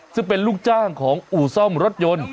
ซึ่งเป็นลูกจ้างของอู่ซ่อมรถยนต์